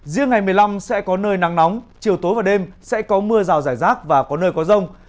riêng ngày một mươi năm sẽ có nơi nắng nóng chiều tối và đêm sẽ có mưa rào rải rác và có nơi có rông